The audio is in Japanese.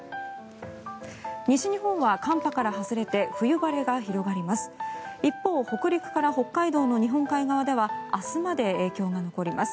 西日本は寒波から外れて冬晴れが広がります。